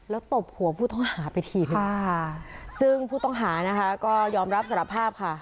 แล้วตบหัวผู้ต้องหาไปทีนึงซึ่งผู้ต้องหานะคะก็ยอมรับสารภาพค่ะ